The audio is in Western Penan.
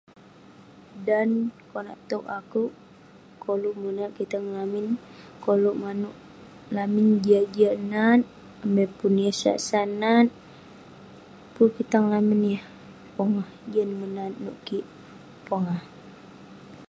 Dan konak tog akouk, koluk menat kitang lamin, koluk manouk lamin jiak-jiak nat, amai pun yah sat-sat nat. Pun kitang lamin yah pongah jian nat nouk kik pongah.